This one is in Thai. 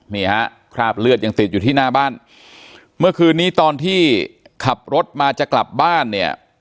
นี่ฮะคราบเลือดยังติดอยู่ที่หน้าบ้านเมื่อคืนนี้ตอนที่ขับรถมาจะกลับบ้านเนี่ย